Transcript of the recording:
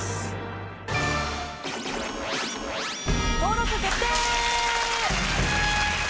登録決定！